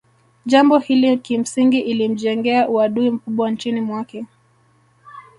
Jambo hili kimsingi ilimjengea uadui mkubwa nchini mwake